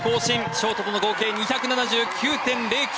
ショートとの合計２７９．０９！